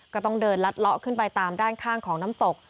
ก็ต้องเดินลัดเลาะขึ้นไปตามด้านข้างของน้ำตก